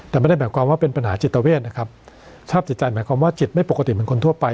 แต่ไม่ได้หมายความว่าเป็นปัญหาจิตเวทนะครับสภาพจิตใจหมายความว่าจิตไม่ปกติเหมือนคนทั่วไป